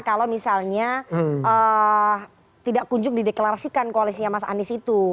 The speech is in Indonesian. kalau misalnya tidak kunjung dideklarasikan koalisinya mas anies itu